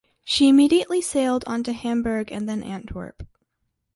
She immediately sailed on to Hamburg and then Antwerp.